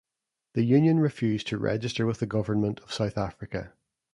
The union refused to register with the Government of South Africa.